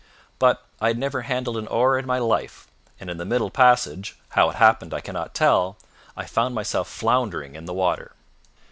But I had never handled an oar in my life, and in the middle passage how it happened I cannot tell I found myself floundering in the water.